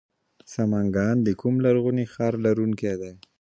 سمنګان د کوم لرغوني ښار لرونکی دی؟